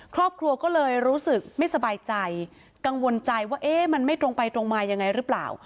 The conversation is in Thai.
ครอบครัวก็เลยรู้สึกไม่สบายใจกังวลใจว่าเอ๊ะมันไม่ตรงไปตรงมายังไงหรือเปล่า